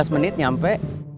lima belas menit nyampe